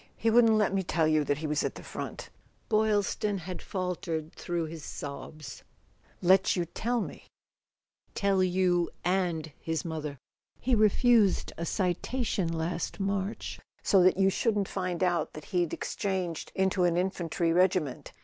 He wouldn't let me tell you that he was at the front," Boy Is ton had faltered through his sobs. [ 266 ] A SON AT THE FRONT "Let you tell me ?" "You and his mother: he refused a citation last March so that you shouldn't find out that he'd ex¬ changed into an infantry regiment.